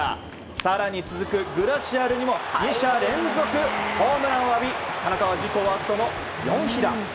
更に、続くグラシアルにも２者連続ホームランを浴び田中は自己ワーストの４被打。